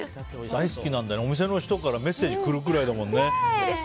大好きなんだね、お店の人からメッセージくるくらい。